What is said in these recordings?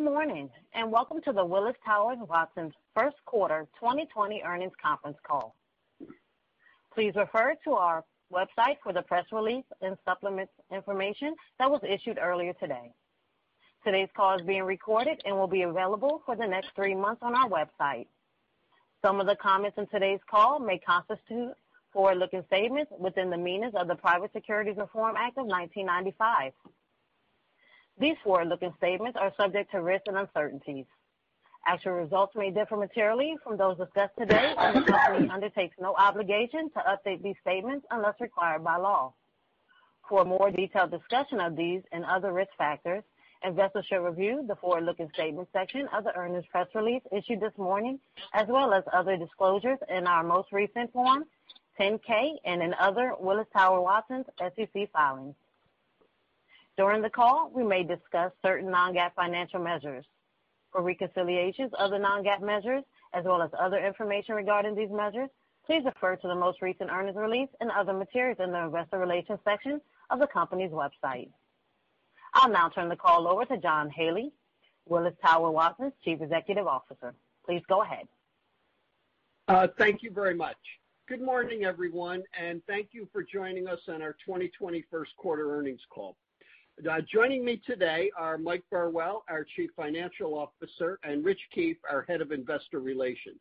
Good morning, and welcome to the Willis Towers Watson first quarter 2020 earnings conference call. Please refer to our website for the press release and supplement information that was issued earlier today. Today's call is being recorded and will be available for the next three months on our website. Some of the comments on today's call may constitute forward-looking statements within the meaning of the Private Securities Litigation Reform Act of 1995. These forward-looking statements are subject to risks and uncertainties. Actual results may differ materially from those discussed today, and the company undertakes no obligation to update these statements unless required by law. For a more detailed discussion of these and other risk factors, investors should review the forward-looking statements section of the earnings press release issued this morning, as well as other disclosures in our most recent Form 10-K and in other Willis Towers Watson SEC filings. During the call, we may discuss certain non-GAAP financial measures. For reconciliations of the non-GAAP measures as well as other information regarding these measures, please refer to the most recent earnings release and other materials in the investor relations section of the company's website. I'll now turn the call over to John Haley, Willis Towers Watson's Chief Executive Officer. Please go ahead. Thank you very much. Good morning, everyone, and thank you for joining us on our 2020 first quarter earnings call. Joining me today are Mike Burwell, our Chief Financial Officer, and Rich Keefe, our Head of Investor Relations.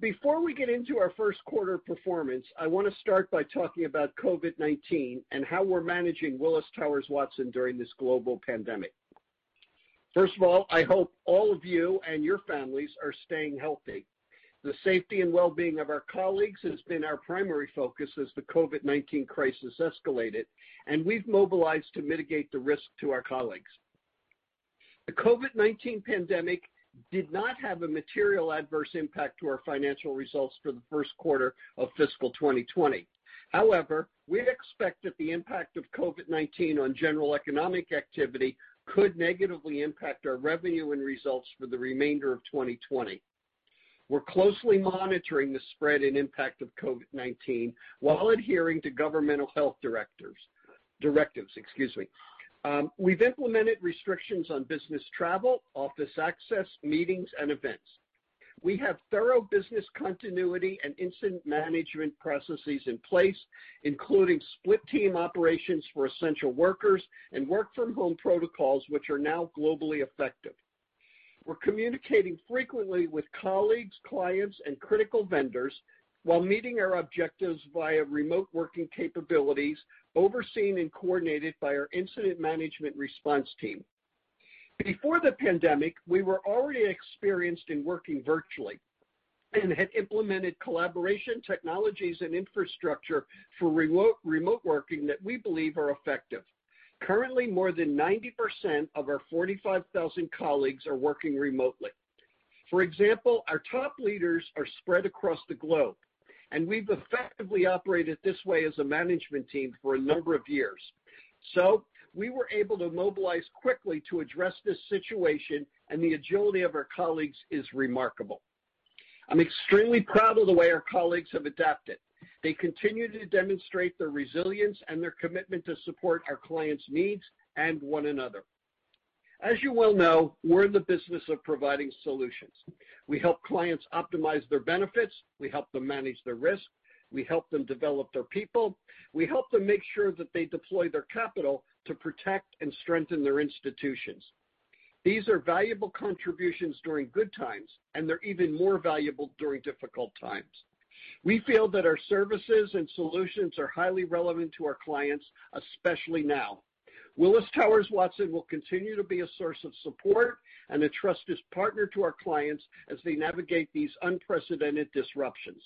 Before we get into our first quarter performance, I want to start by talking about COVID-19 and how we're managing Willis Towers Watson during this global pandemic. First of all, I hope all of you and your families are staying healthy. The safety and well-being of our colleagues has been our primary focus as the COVID-19 crisis escalated, and we've mobilized to mitigate the risk to our colleagues. The COVID-19 pandemic did not have a material adverse impact to our financial results for the first quarter of fiscal 2020. We expect that the impact of COVID-19 on general economic activity could negatively impact our revenue and results for the remainder of 2020. We're closely monitoring the spread and impact of COVID-19 while adhering to governmental health directives. We've implemented restrictions on business travel, office access, meetings, and events. We have thorough business continuity and incident management processes in place, including split team operations for essential workers and work-from-home protocols, which are now globally effective. We're communicating frequently with colleagues, clients, and critical vendors while meeting our objectives via remote working capabilities overseen and coordinated by our incident management response team. Before the pandemic, we were already experienced in working virtually and had implemented collaboration technologies and infrastructure for remote working that we believe are effective. Currently, more than 90% of our 45,000 colleagues are working remotely. For example, our top leaders are spread across the globe. We've effectively operated this way as a management team for a number of years. We were able to mobilize quickly to address this situation. The agility of our colleagues is remarkable. I'm extremely proud of the way our colleagues have adapted. They continue to demonstrate their resilience and their commitment to support our clients' needs and one another. As you well know, we're in the business of providing solutions. We help clients optimize their benefits. We help them manage their risk. We help them develop their people. We help them make sure that they deploy their capital to protect and strengthen their institutions. These are valuable contributions during good times. They're even more valuable during difficult times. We feel that our services and solutions are highly relevant to our clients, especially now. Willis Towers Watson will continue to be a source of support and a trusted partner to our clients as they navigate these unprecedented disruptions.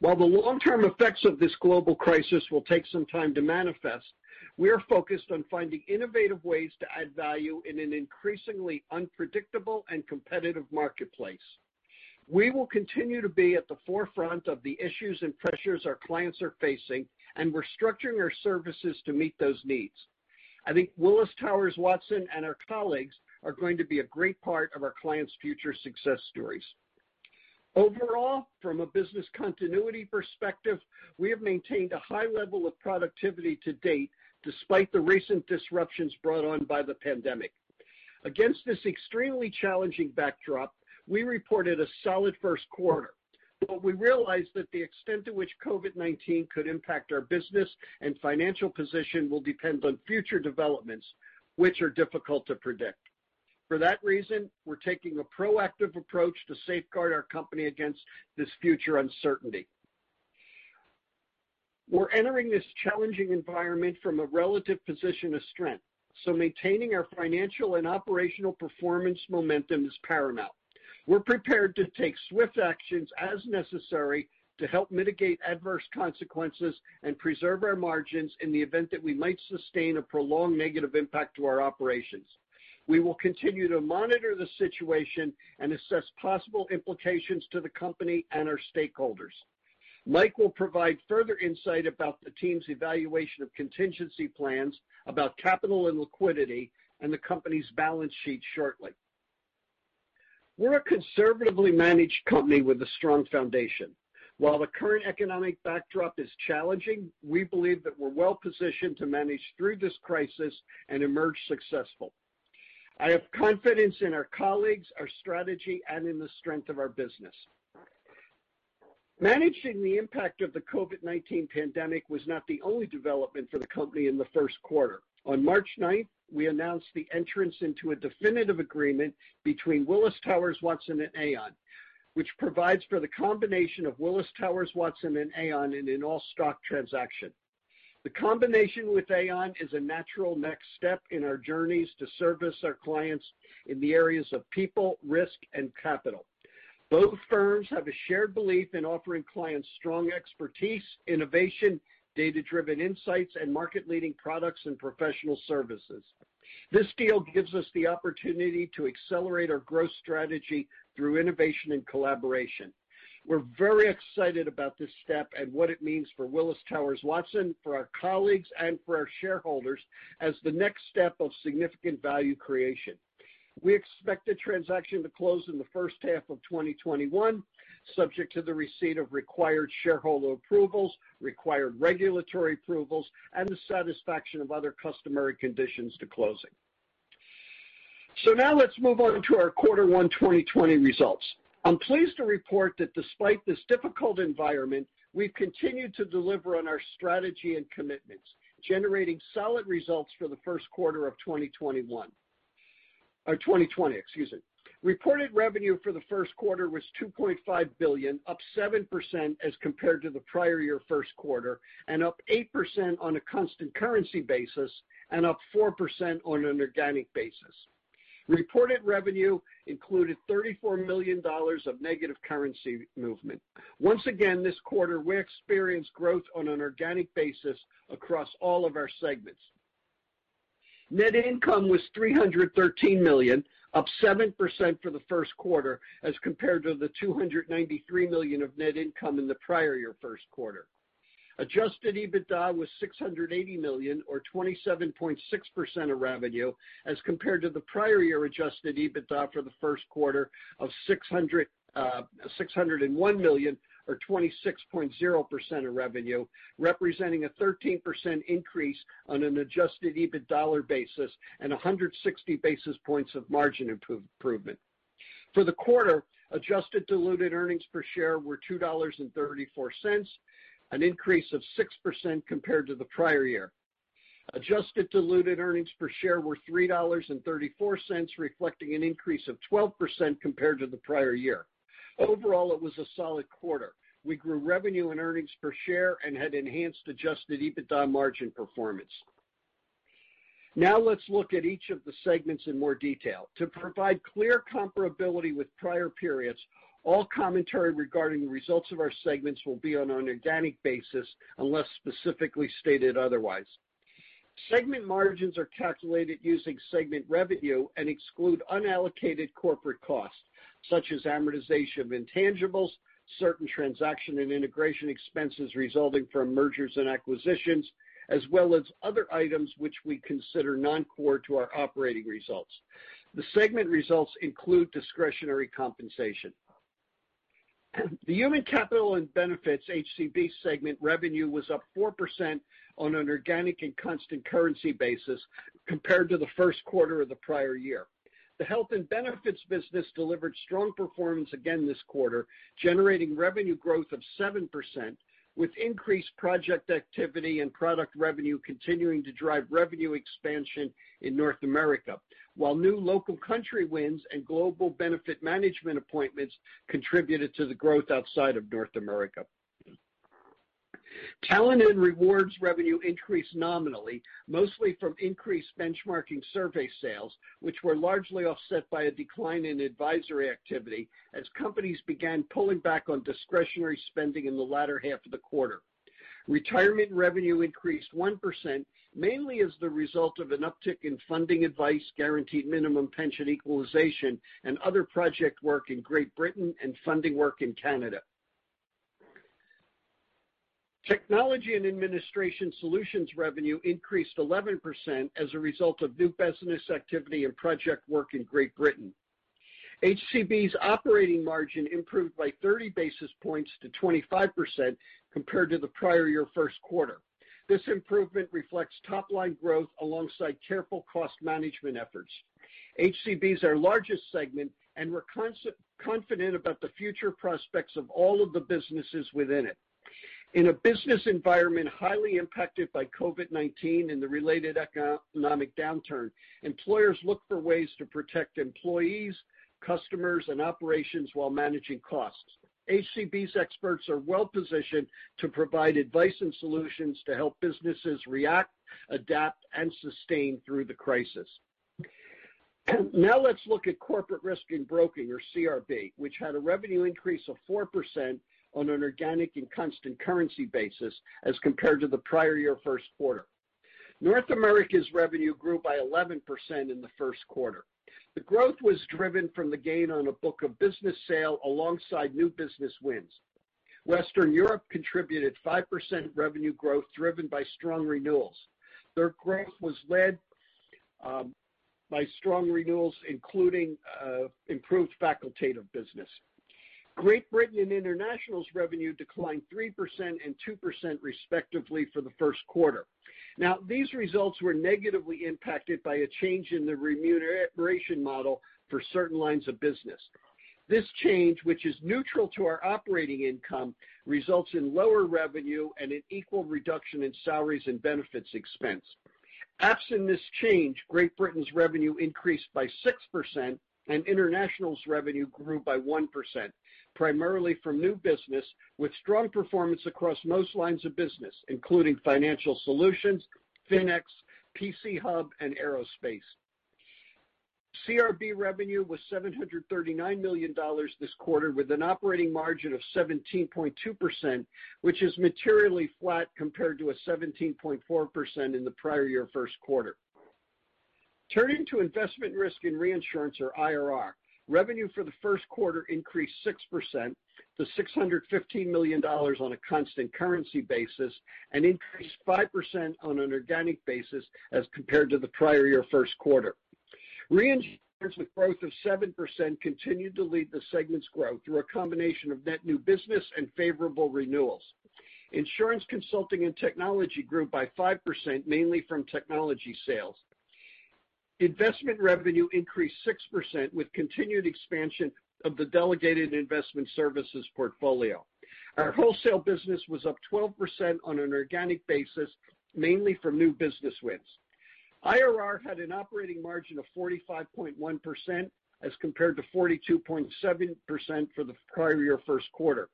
While the long-term effects of this global crisis will take some time to manifest, we are focused on finding innovative ways to add value in an increasingly unpredictable and competitive marketplace. We will continue to be at the forefront of the issues and pressures our clients are facing. We're structuring our services to meet those needs. I think Willis Towers Watson and our colleagues are going to be a great part of our clients' future success stories. Overall, from a business continuity perspective, we have maintained a high level of productivity to date, despite the recent disruptions brought on by the pandemic. Against this extremely challenging backdrop, we reported a solid first quarter. We realize that the extent to which COVID-19 could impact our business and financial position will depend on future developments, which are difficult to predict. For that reason, we're taking a proactive approach to safeguard our company against this future uncertainty. We're entering this challenging environment from a relative position of strength. Maintaining our financial and operational performance momentum is paramount. We're prepared to take swift actions as necessary to help mitigate adverse consequences and preserve our margins in the event that we might sustain a prolonged negative impact to our operations. We will continue to monitor the situation and assess possible implications to the company and our stakeholders. Mike will provide further insight about the team's evaluation of contingency plans about capital and liquidity and the company's balance sheet shortly. We're a conservatively managed company with a strong foundation. While the current economic backdrop is challenging, we believe that we're well-positioned to manage through this crisis and emerge successful. I have confidence in our colleagues, our strategy, and in the strength of our business. Managing the impact of the COVID-19 pandemic was not the only development for the company in the first quarter. On March 9th, we announced the entrance into a definitive agreement between Willis Towers Watson and Aon, which provides for the combination of Willis Towers Watson and Aon in an all-stock transaction. The combination with Aon is a natural next step in our journeys to service our clients in the areas of people, risk, and capital. Both firms have a shared belief in offering clients strong expertise, innovation, data-driven insights, and market-leading products and professional services. This deal gives us the opportunity to accelerate our growth strategy through innovation and collaboration. We're very excited about this step and what it means for Willis Towers Watson, for our colleagues, and for our shareholders as the next step of significant value creation. We expect the transaction to close in the first half of 2021, subject to the receipt of required shareholder approvals, required regulatory approvals, and the satisfaction of other customary conditions to closing. Now let's move on to our Quarter 1 2020 results. I'm pleased to report that despite this difficult environment, we've continued to deliver on our strategy and commitments, generating solid results for the first quarter of 2021. Or 2020, excuse me. Reported revenue for the first quarter was $2.5 billion, up 7% as compared to the prior year first quarter, and up 8% on a constant currency basis and up 4% on an organic basis. Reported revenue included $34 million of negative currency movement. Once again, this quarter, we experienced growth on an organic basis across all of our segments. Net income was $313 million, up 7% for the first quarter as compared to the $293 million of net income in the prior year first quarter. Adjusted EBITDA was $680 million or 27.6% of revenue as compared to the prior year Adjusted EBITDA for the first quarter of $601 million or 26.0% of revenue, representing a 13% increase on an adjusted EBIT dollar basis and 160 basis points of margin improvement. For the quarter, diluted earnings per share were $2.34, an increase of 6% compared to the prior year. Adjusted diluted earnings per share were $3.34, reflecting an increase of 12% compared to the prior year. Overall, it was a solid quarter. We grew revenue and earnings per share and had enhanced Adjusted EBITDA margin performance. Let's look at each of the segments in more detail. To provide clear comparability with prior periods, all commentary regarding the results of our segments will be on an organic basis unless specifically stated otherwise. Segment margins are calculated using segment revenue and exclude unallocated corporate costs such as amortization of intangibles, certain transaction and integration expenses resulting from mergers and acquisitions, as well as other items which we consider non-core to our operating results. The segment results include discretionary compensation. The Human Capital & Benefits, HCB segment revenue was up 4% on an organic and constant currency basis compared to the first quarter of the prior year. The Health & Benefits business delivered strong performance again this quarter, generating revenue growth of 7% with increased project activity and product revenue continuing to drive revenue expansion in North America, while new local country wins and global benefit management appointments contributed to the growth outside of North America. Talent & Rewards revenue increased nominally, mostly from increased benchmarking survey sales, which were largely offset by a decline in advisory activity as companies began pulling back on discretionary spending in the latter half of the quarter. Retirement revenue increased 1%, mainly as the result of an uptick in funding advice, guaranteed minimum pension equalization, and other project work in Great Britain and funding work in Canada. Technology & Administration Solutions revenue increased 11% as a result of new business activity and project work in Great Britain. HCB's operating margin improved by 30 basis points to 25% compared to the prior year first quarter. This improvement reflects top-line growth alongside careful cost management efforts. HCB is our largest segment, and we're confident about the future prospects of all of the businesses within it. In a business environment highly impacted by COVID-19 and the related economic downturn, employers look for ways to protect employees, customers, and operations while managing costs. HCB's experts are well-positioned to provide advice and solutions to help businesses react, adapt, and sustain through the crisis. Let's look at Corporate Risk & Broking or CRB, which had a revenue increase of 4% on an organic and constant currency basis as compared to the prior year first quarter. North America's revenue grew by 11% in the first quarter. The growth was driven from the gain on a book of business sale alongside new business wins. Western Europe contributed 5% revenue growth driven by strong renewals. Their growth was led by strong renewals, including improved facultative business. Great Britain and International's revenue declined 3% and 2% respectively for the first quarter. These results were negatively impacted by a change in the remuneration model for certain lines of business. This change, which is neutral to our operating income, results in lower revenue and an equal reduction in salaries and benefits expense. Absent this change, Great Britain's revenue increased by 6% and International's revenue grew by 1%, primarily from new business, with strong performance across most lines of business, including financial solutions, FINEX, PC Hub, and aerospace. CRB revenue was $739 million this quarter, with an operating margin of 17.2%, which is materially flat compared to a 17.4% in the prior year first quarter. Turning to Investment Risk and Reinsurance, or IRR. Revenue for the first quarter increased 6% to $615 million on a constant currency basis, and increased 5% on an organic basis as compared to the prior year first quarter. Reinsurance, with growth of 7%, continued to lead the segment's growth through a combination of net new business and favorable renewals. Insurance consulting and technology grew by 5%, mainly from technology sales. Investment revenue increased 6% with continued expansion of the delegated investment services portfolio. Our wholesale business was up 12% on an organic basis, mainly from new business wins. IRR had an operating margin of 45.1% as compared to 42.7% for the prior year first quarter.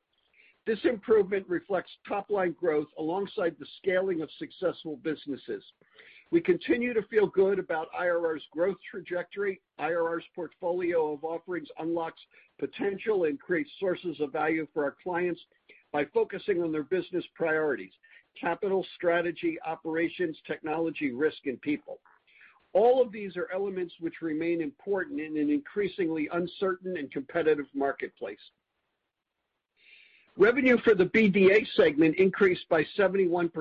This improvement reflects top-line growth alongside the scaling of successful businesses. We continue to feel good about IRR's growth trajectory. IRR's portfolio of offerings unlocks potential and creates sources of value for our clients by focusing on their business priorities, capital strategy, operations, technology, risk, and people. All of these are elements which remain important in an increasingly uncertain and competitive marketplace. Revenue for the BDA segment increased by 71%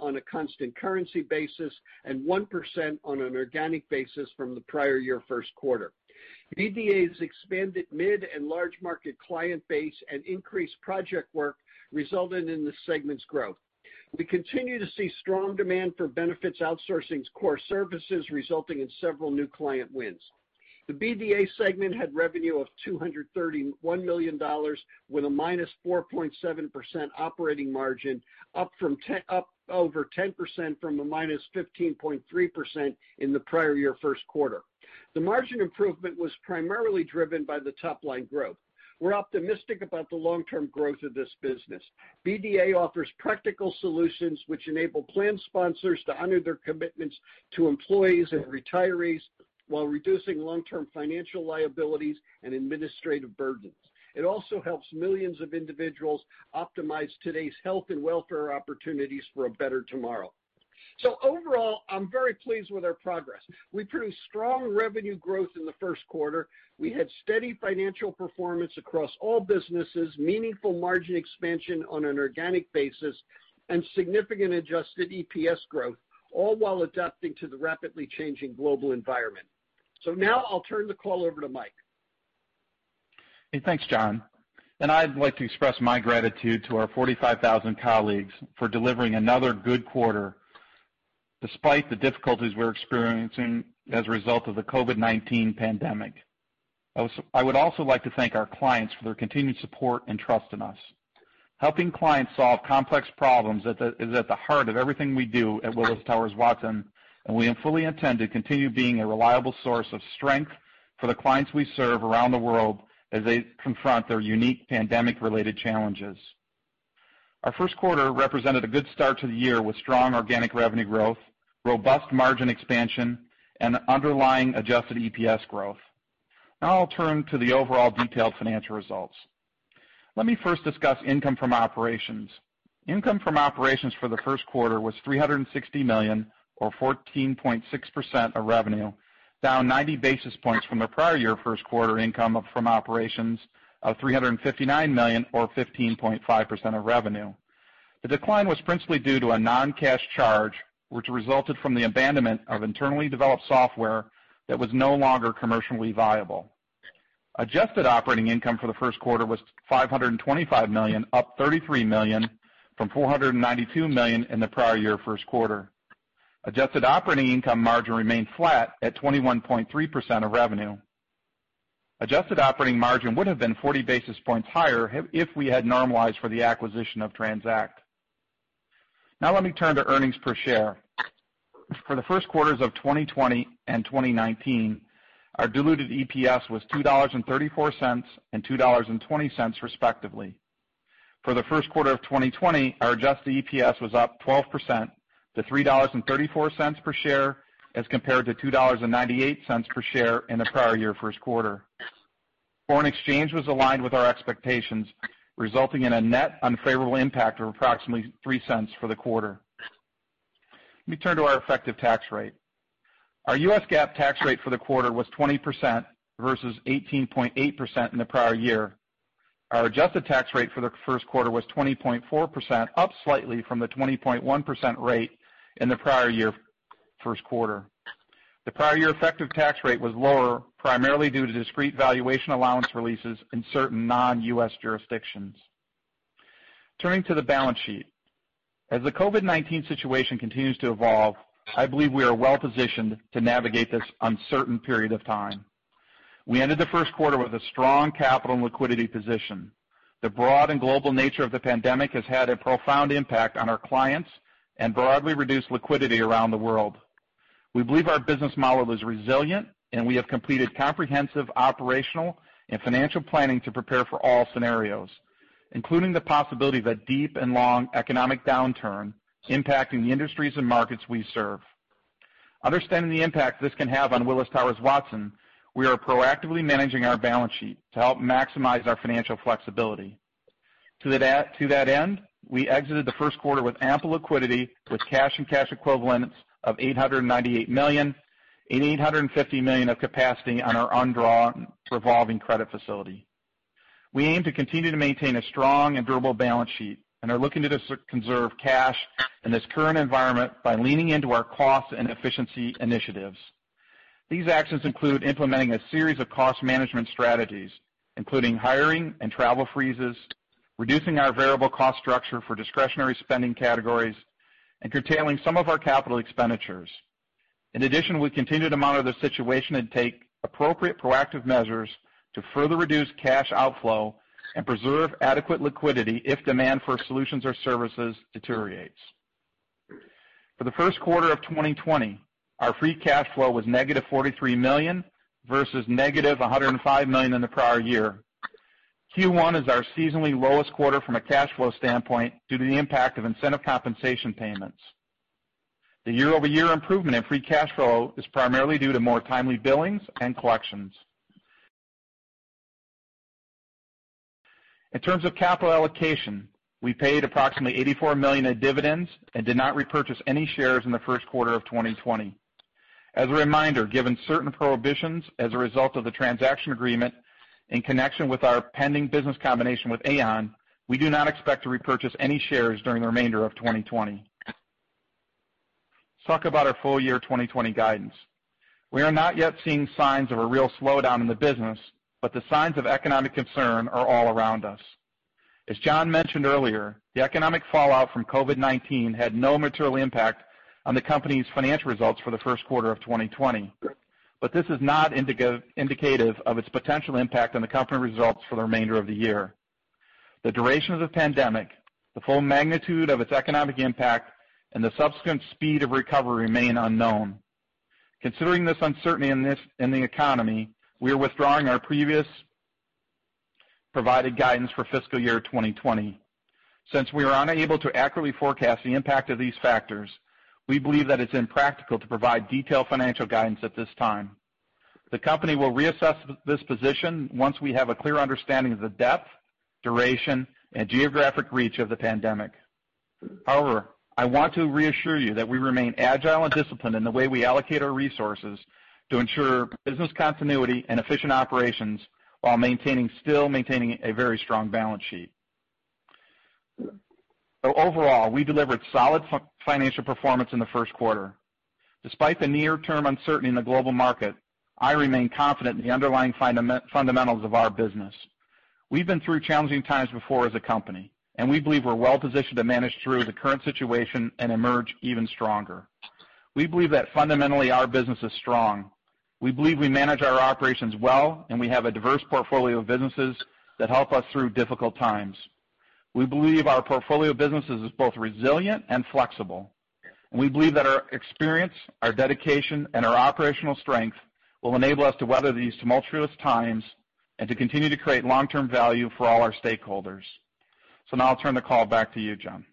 on a constant currency basis and 1% on an organic basis from the prior year first quarter. BDA's expanded mid and large market client base and increased project work resulted in the segment's growth. We continue to see strong demand for benefits outsourcing's core services, resulting in several new client wins. The BDA segment had revenue of $231 million, with a minus 4.7% operating margin, up over 10% from a minus 15.3% in the prior year first quarter. The margin improvement was primarily driven by the top-line growth. We're optimistic about the long-term growth of this business. BDA offers practical solutions which enable plan sponsors to honor their commitments to employees and retirees while reducing long-term financial liabilities and administrative burdens. It also helps millions of individuals optimize today's health and welfare opportunities for a better tomorrow. Overall, I'm very pleased with our progress. We produced strong revenue growth in the first quarter. We had steady financial performance across all businesses, meaningful margin expansion on an organic basis, and significant adjusted EPS growth, all while adapting to the rapidly changing global environment. Now I'll turn the call over to Mike. Hey, thanks, John. I'd like to express my gratitude to our 45,000 colleagues for delivering another good quarter despite the difficulties we're experiencing as a result of the COVID-19 pandemic. I would also like to thank our clients for their continued support and trust in us. Helping clients solve complex problems is at the heart of everything we do at Willis Towers Watson, and we fully intend to continue being a reliable source of strength for the clients we serve around the world as they confront their unique pandemic-related challenges. Our first quarter represented a good start to the year with strong organic revenue growth, robust margin expansion, and underlying adjusted EPS growth. Now I'll turn to the overall detailed financial results. Let me first discuss income from operations. Income from operations for the first quarter was $360 million, or 14.6% of revenue, down 90 basis points from the prior year first quarter income from operations of $359 million or 15.5% of revenue. The decline was principally due to a non-cash charge, which resulted from the abandonment of internally developed software that was no longer commercially viable. Adjusted operating income for the first quarter was $525 million, up $33 million from $492 million in the prior year first quarter. Adjusted operating income margin remained flat at 21.3% of revenue. Adjusted operating margin would have been 40 basis points higher if we had normalized for the acquisition of TRANZACT. Now let me turn to earnings per share. For the first quarters of 2020 and 2019, our diluted EPS was $2.34 and $2.20 respectively. For the first quarter of 2020, our adjusted EPS was up 12% to $3.34 per share as compared to $2.98 per share in the prior year first quarter. Foreign exchange was aligned with our expectations, resulting in a net unfavorable impact of approximately $0.03 for the quarter. Let me turn to our effective tax rate. Our U.S. GAAP tax rate for the quarter was 20% versus 18.8% in the prior year. Our adjusted tax rate for the first quarter was 20.4%, up slightly from the 20.1% rate in the prior year first quarter. The prior year effective tax rate was lower, primarily due to discrete valuation allowance releases in certain non-U.S. jurisdictions. Turning to the balance sheet. As the COVID-19 situation continues to evolve, I believe we are well-positioned to navigate this uncertain period of time. We ended the first quarter with a strong capital and liquidity position. The broad and global nature of the pandemic has had a profound impact on our clients and broadly reduced liquidity around the world. We believe our business model is resilient, and we have completed comprehensive operational and financial planning to prepare for all scenarios, including the possibility of a deep and long economic downturn impacting the industries and markets we serve. Understanding the impact this can have on Willis Towers Watson, we are proactively managing our balance sheet to help maximize our financial flexibility. To that end, we exited the first quarter with ample liquidity with cash and cash equivalents of $898 million and $850 million of capacity on our undrawn revolving credit facility. We aim to continue to maintain a strong and durable balance sheet and are looking to conserve cash in this current environment by leaning into our cost and efficiency initiatives. These actions include implementing a series of cost management strategies, including hiring and travel freezes, reducing our variable cost structure for discretionary spending categories, and curtailing some of our capital expenditures. In addition, we continue to monitor the situation and take appropriate proactive measures to further reduce cash outflow and preserve adequate liquidity if demand for solutions or services deteriorates. For the first quarter of 2020, our free cash flow was negative $43 million versus negative $105 million in the prior year. Q1 is our seasonally lowest quarter from a cash flow standpoint due to the impact of incentive compensation payments. The year-over-year improvement in free cash flow is primarily due to more timely billings and collections. In terms of capital allocation, we paid approximately $84 million in dividends and did not repurchase any shares in the first quarter of 2020. As a reminder, given certain prohibitions as a result of the transaction agreement in connection with our pending business combination with Aon, we do not expect to repurchase any shares during the remainder of 2020. Let's talk about our full-year 2020 guidance. We are not yet seeing signs of a real slowdown in the business. The signs of economic concern are all around us. As John mentioned earlier, the economic fallout from COVID-19 had no material impact on the company's financial results for the first quarter of 2020. This is not indicative of its potential impact on the company results for the remainder of the year. The duration of the pandemic, the full magnitude of its economic impact, and the subsequent speed of recovery remain unknown. Considering this uncertainty in the economy, we are withdrawing our previously provided guidance for fiscal year 2020. Since we are unable to accurately forecast the impact of these factors, we believe that it's impractical to provide detailed financial guidance at this time. The company will reassess this position once we have a clear understanding of the depth, duration, and geographic reach of the pandemic. However, I want to reassure you that we remain agile and disciplined in the way we allocate our resources to ensure business continuity and efficient operations while still maintaining a very strong balance sheet. Overall, we delivered solid financial performance in the first quarter. Despite the near-term uncertainty in the global market, I remain confident in the underlying fundamentals of our business. We've been through challenging times before as a company, and we believe we're well-positioned to manage through the current situation and emerge even stronger. We believe that fundamentally our business is strong. We believe we manage our operations well. We have a diverse portfolio of businesses that help us through difficult times. We believe our portfolio of businesses is both resilient and flexible. We believe that our experience, our dedication, and our operational strength will enable us to weather these tumultuous times and to continue to create long-term value for all our stakeholders. Now I'll turn the call back to you, John.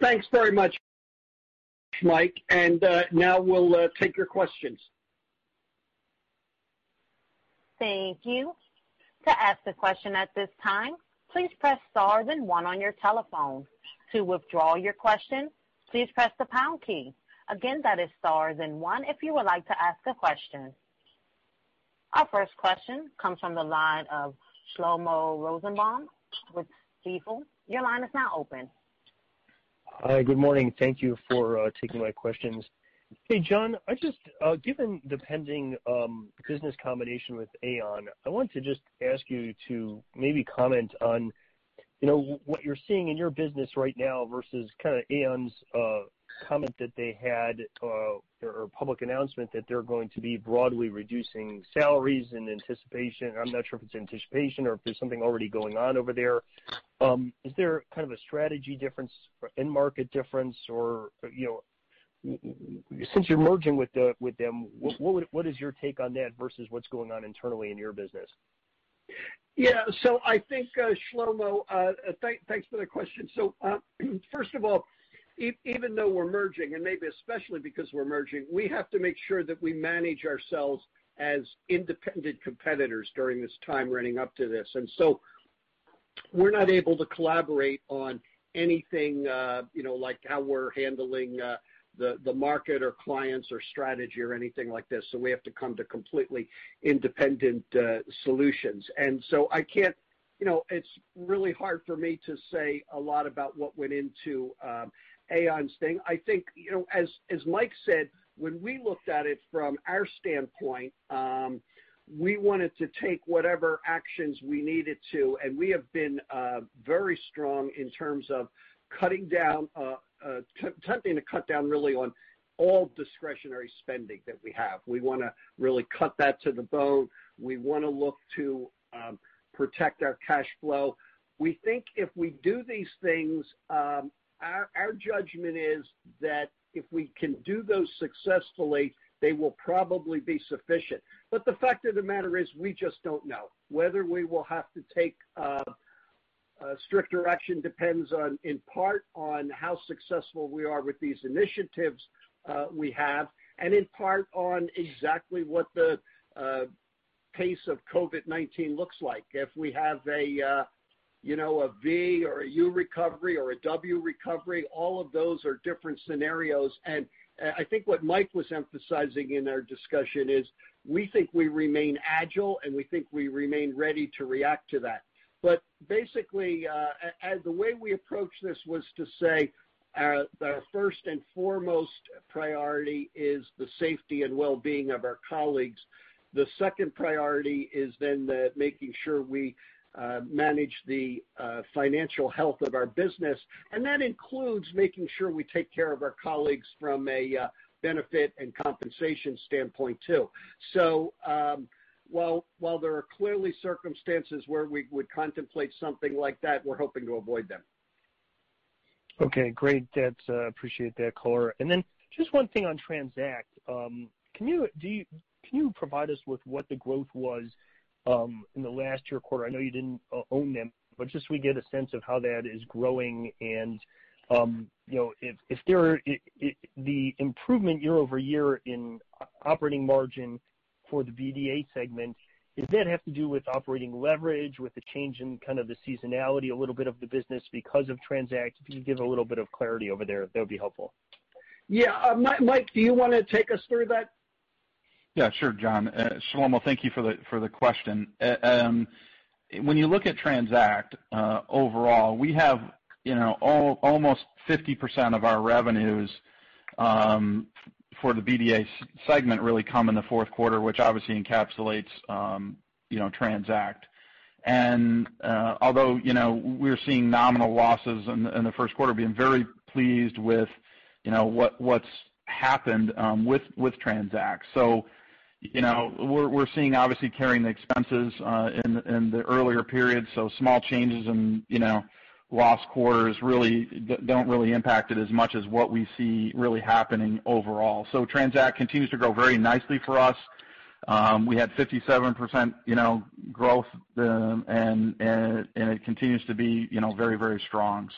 Thanks very much, Mike. Now we'll take your questions. Thank you. To ask a question at this time, please press star then one on your telephone. To withdraw your question, please press the pound key. Again, that is star then one if you would like to ask a question. Our first question comes from the line of Shlomo Rosenbaum with Stifel. Your line is now open. Hi. Good morning. Thank you for taking my questions. Hey, John, given the pending business combination with Aon, I want to just ask you to maybe comment on what you're seeing in your business right now versus kind of Aon's comment that they had, public announcement that they're going to be broadly reducing salaries in anticipation. I'm not sure if it's anticipation or if there's something already going on over there. Is there kind of a strategy difference, end market difference or, since you're merging with them, what is your take on that versus what's going on internally in your business? Shlomo, thanks for the question. First of all, even though we're merging, and maybe especially because we're merging, we have to make sure that we manage ourselves as independent competitors during this time running up to this. We're not able to collaborate on anything like how we're handling the market or clients or strategy or anything like this. We have to come to completely independent solutions. It's really hard for me to say a lot about what went into Aon's thing. I think, as Mike said, when we looked at it from our standpoint, we wanted to take whatever actions we needed to, and we have been very strong in terms of attempting to cut down really on all discretionary spending that we have. We want to really cut that to the bone. We want to look to protect our cash flow. We think if we do these things, our judgment is that if we can do those successfully, they will probably be sufficient. The fact of the matter is, we just don't know. Whether we will have to take a stricter action depends on, in part, on how successful we are with these initiatives we have, and in part on exactly what the pace of COVID-19 looks like. If we have a V or a U recovery or a W recovery, all of those are different scenarios. I think what Mike was emphasizing in our discussion is we think we remain agile, and we think we remain ready to react to that. Basically, the way we approached this was to say our first and foremost priority is the safety and wellbeing of our colleagues. The second priority is then making sure we manage the financial health of our business, and that includes making sure we take care of our colleagues from a benefit and compensation standpoint, too. While there are clearly circumstances where we would contemplate something like that, we're hoping to avoid them. Okay, great. Appreciate that color. Just one thing on TRANZACT. Can you provide us with what the growth was in the last year quarter? I know you didn't own them, but just so we get a sense of how that is growing and if the improvement year-over-year in operating margin for the BDA segment, does that have to do with operating leverage, with the change in kind of the seasonality, a little bit of the business because of TRANZACT? If you could give a little bit of clarity over there, that would be helpful. Yeah. Mike, do you want to take us through that? Yeah, sure, John. Shlomo, thank you for the question. When you look at TRANZACT, overall, we have almost 50% of our revenues for the BDA segment really come in the fourth quarter, which obviously encapsulates TRANZACT. Although we're seeing nominal losses in the first quarter, being very pleased with what's happened with TRANZACT. We're seeing obviously carrying the expenses in the earlier periods, so small changes in loss quarters don't really impact it as much as what we see really happening overall. TRANZACT continues to grow very nicely for us. We had 57% growth, and it continues to be very strong.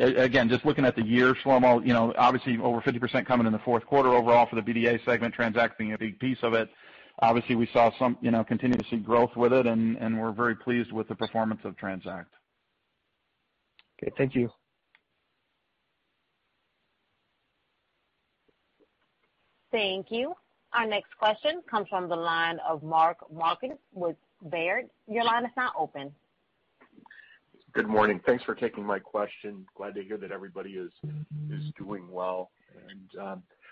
Again, just looking at the year, Shlomo, obviously over 50% coming in the fourth quarter overall for the BDA segment, TRANZACT being a big piece of it. Obviously, we continue to see growth with it, and we're very pleased with the performance of TRANZACT. Okay. Thank you. Thank you. Our next question comes from the line of Mark Marcon with Baird. Your line is now open. Good morning. Thanks for taking my question. Glad to hear that everybody is doing well.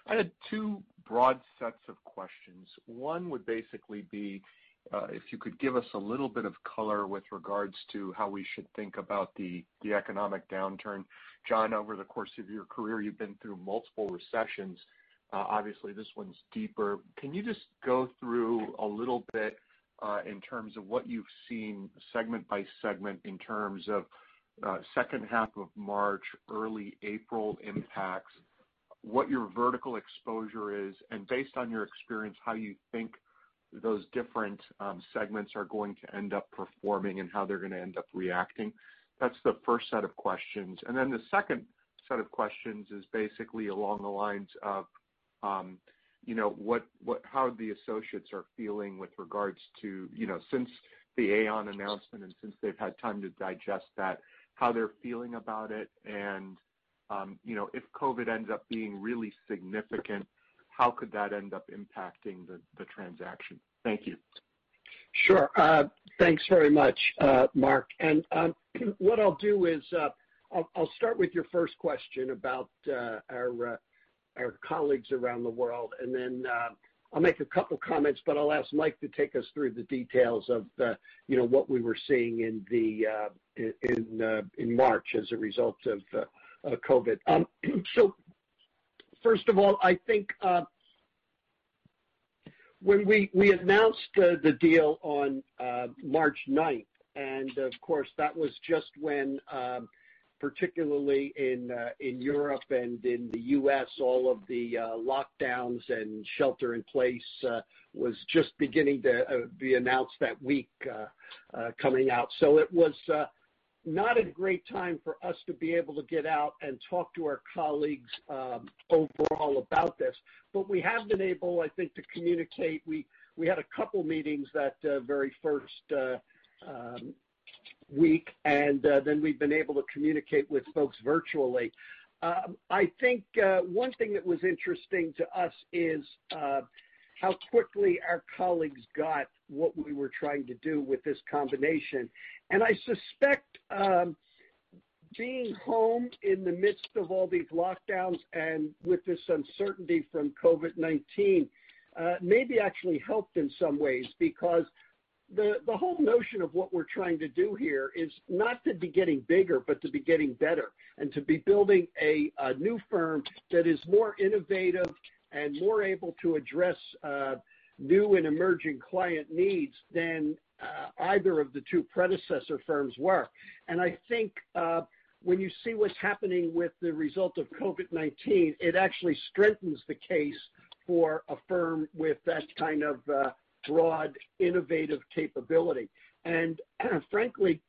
I had two broad sets of questions. One would basically be if you could give us a little bit of color with regards to how we should think about the economic downturn. John, over the course of your career, you've been through multiple recessions. Obviously, this one's deeper. Can you just go through a little bit in terms of what you've seen segment by segment in terms of second half of March, early April impacts, what your vertical exposure is, and based on your experience, how you think those different segments are going to end up performing and how they're going to end up reacting? That's the first set of questions. The second set of questions is basically along the lines of how the associates are feeling with regards to, since the Aon announcement and since they've had time to digest that, how they're feeling about it. If COVID ends up being really significant, how could that end up impacting the transaction? Thank you. Sure. Thanks very much, Mark. What I'll do is I'll start with your first question about our colleagues around the world, and then I'll make a couple of comments, but I'll ask Mike to take us through the details of what we were seeing in March as a result of COVID. First of all, I think when we announced the deal on March 9th, and of course, that was just when, particularly in Europe and in the U.S., all of the lockdowns and shelter in place was just beginning to be announced that week coming out. It was not a great time for us to be able to get out and talk to our colleagues overall about this. We have been able, I think, to communicate. We had a couple of meetings that very first week, and then we've been able to communicate with folks virtually. I think one thing that was interesting to us is how quickly our colleagues got what we were trying to do with this combination. I suspect being home in the midst of all these lockdowns and with this uncertainty from COVID-19, maybe actually helped in some ways because the whole notion of what we're trying to do here is not to be getting bigger, but to be getting better, and to be building a new firm that is more innovative and more able to address new and emerging client needs than either of the two predecessor firms were. I think, when you see what's happening with the result of COVID-19, it actually strengthens the case for a firm with that kind of broad, innovative capability. Frankly,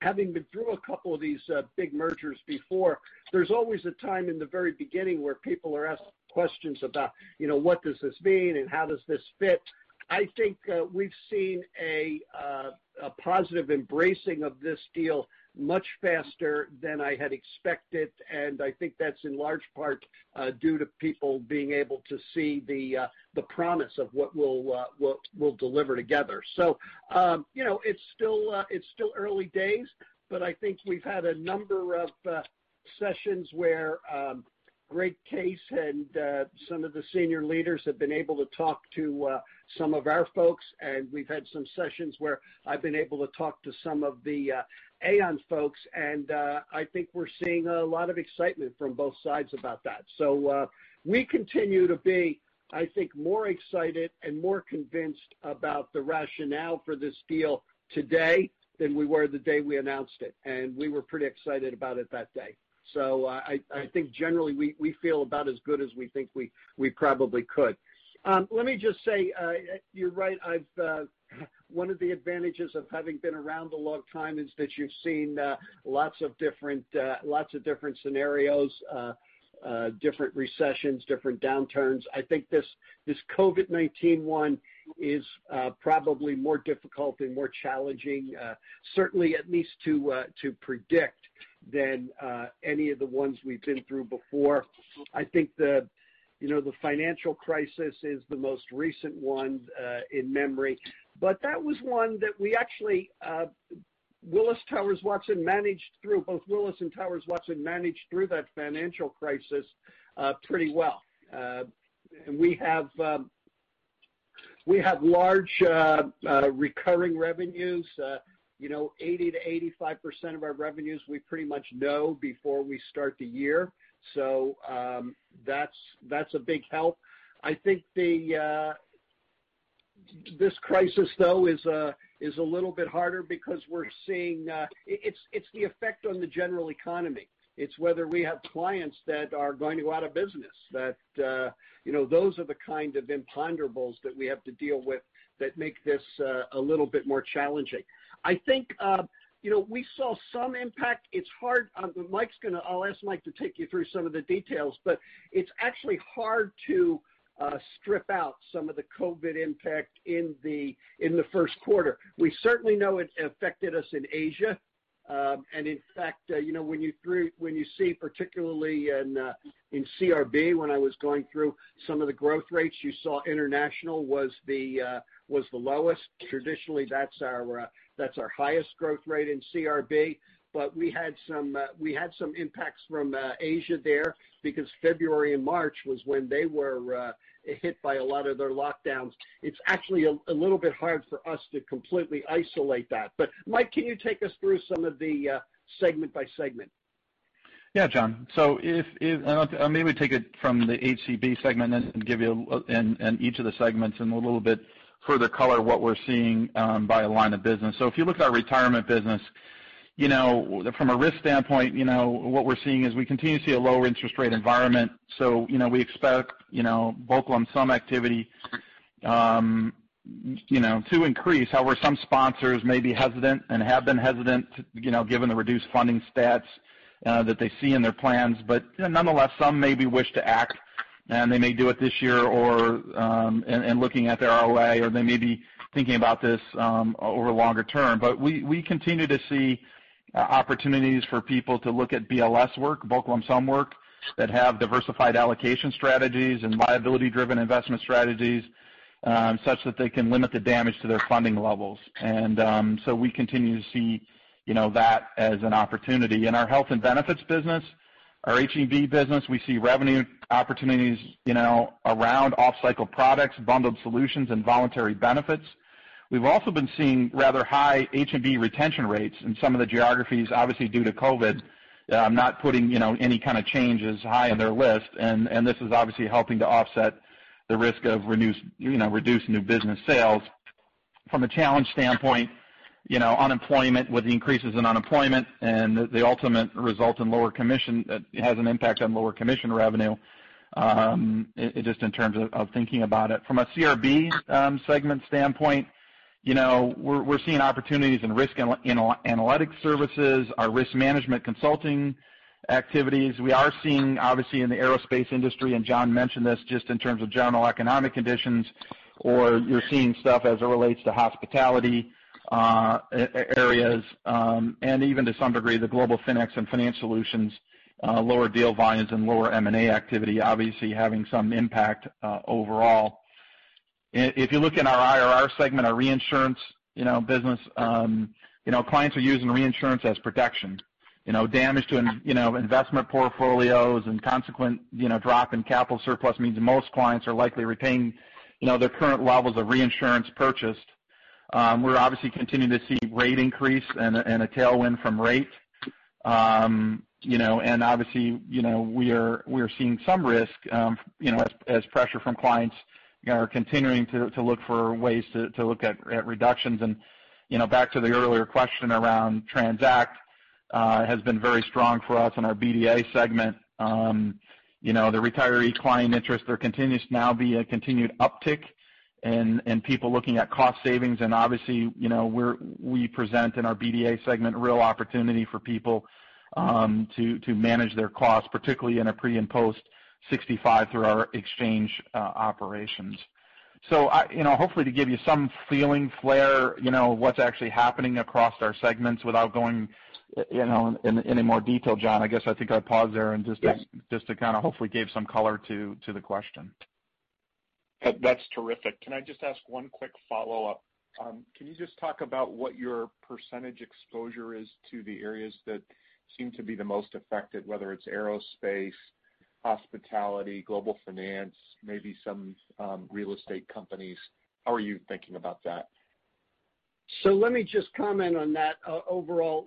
having been through a couple of these big mergers before, there's always a time in the very beginning where people are asking questions about, what does this mean and how does this fit? I think we've seen a positive embracing of this deal much faster than I had expected, and I think that's in large part due to people being able to see the promise of what we'll deliver together. It's still early days, but I think we've had a number of sessions where Greg Case and some of the senior leaders have been able to talk to some of our folks, and we've had some sessions where I've been able to talk to some of the Aon folks, and I think we're seeing a lot of excitement from both sides about that. We continue to be, I think, more excited and more convinced about the rationale for this deal today than we were the day we announced it. We were pretty excited about it that day. I think generally we feel about as good as we think we probably could. Let me just say, you're right. One of the advantages of having been around a long time is that you've seen lots of different scenarios, different recessions, different downturns. I think this COVID-19 one is probably more difficult and more challenging, certainly at least to predict, than any of the ones we've been through before. I think the financial crisis is the most recent one in memory. But that was one that both Willis and Towers Watson managed through that financial crisis pretty well. We have large recurring revenues. 80%-85% of our revenues we pretty much know before we start the year. That's a big help. I think this crisis though is a little bit harder because it's the effect on the general economy. It's whether we have clients that are going to go out of business. Those are the kind of imponderables that we have to deal with that make this a little bit more challenging. I think, we saw some impact. I'll ask Mike Burwell to take you through some of the details, but it's actually hard to strip out some of the COVID impact in the first quarter. We certainly know it affected us in Asia. In fact, when you see particularly in CRB, when I was going through some of the growth rates, you saw international was the lowest. Traditionally, that's our highest growth rate in CRB, but we had some impacts from Asia there because February and March was when they were hit by a lot of their lockdowns. It's actually a little bit hard for us to completely isolate that. Mike, can you take us through some of the segment by segment? John. If maybe take it from the HCB segment and give you in each of the segments a little bit further color what we're seeing by line of business. If you look at our retirement business, from a risk standpoint, what we're seeing is we continue to see a lower interest rate environment. We expect bulk lump sum activity to increase. However, some sponsors may be hesitant and have been hesitant, given the reduced funding stats that they see in their plans. Nonetheless, some maybe wish to act, and they may do it this year or, looking at their ROA, or they may be thinking about this, over longer term. We continue to see opportunities for people to look at BLS work, bulk lump sum work, that have diversified allocation strategies and liability-driven investment strategies, such that they can limit the damage to their funding levels. We continue to see that as an opportunity. In our health and benefits business, our H&B business, we see revenue opportunities around off-cycle products, bundled solutions, and voluntary benefits. We've also been seeing rather high H&B retention rates in some of the geographies, obviously due to COVID. Not putting any kind of change as high on their list, and this is obviously helping to offset the risk of reduced new business sales. From a challenge standpoint, with increases in unemployment and the ultimate result in lower commission, it has an impact on lower commission revenue, just in terms of thinking about it. From a CRB segment standpoint, we're seeing opportunities in risk analytic services, our risk management consulting activities. We are seeing, obviously in the aerospace industry, and John mentioned this, just in terms of general economic conditions. You're seeing stuff as it relates to hospitality areas, and even to some degree, the global FINEX and finance solutions, lower deal volumes and lower M&A activity obviously having some impact overall. If you look in our IRR segment, our reinsurance business, clients are using reinsurance as protection. Damage to investment portfolios and consequent drop in capital surplus means most clients are likely retaining their current levels of reinsurance purchased. We're obviously continuing to see rate increase and a tailwind from rate. Obviously, we are seeing some risk as pressure from clients are continuing to look for ways to look at reductions. Back to the earlier question around TRANZACT, has been very strong for us in our BDA segment. The retiree client interest, there continues to now be a continued uptick in people looking at cost savings, and obviously, we present in our BDA segment a real opportunity for people to manage their costs, particularly in a pre and post-65 through our exchange operations. Hopefully to give you some feeling, flare, what's actually happening across our segments without going into any more detail, John, I guess I think I'd pause there and just to. Yes Kind of hopefully give some color to the question. That's terrific. Can I just ask one quick follow-up? Can you just talk about what your % exposure is to the areas that seem to be the most affected, whether it's aerospace, hospitality, global finance, maybe some real estate companies? How are you thinking about that? Let me just comment on that overall.